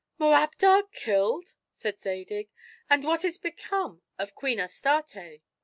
"Moabdar killed!" said Zadig, "and what is become of Queen Astarte?"